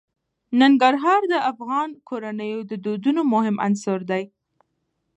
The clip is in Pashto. ننګرهار د افغان کورنیو د دودونو مهم عنصر دی.